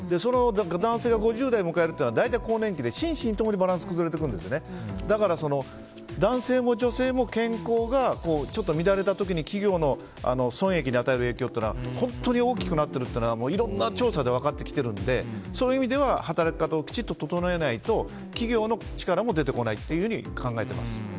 男性が５０代を迎えると大体、更年期で心身共にバランスが崩れていくんですねだから、男性も女性も健康が乱れた時に企業の損益に与える影響は本当に大きくなっているのはいろんな調査で分かってきているので働き方をきちっと整えないと企業の力も出てこないと考えています。